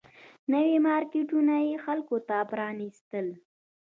نوي مارکیټونه یې خلکو ته پرانيستل